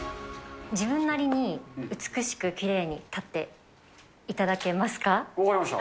自分なりに美しくきれいに立分かりました。